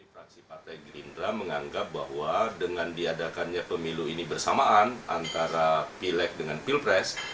fraksi partai gerindra menganggap bahwa dengan diadakannya pemilu ini bersamaan antara pileg dengan pilpres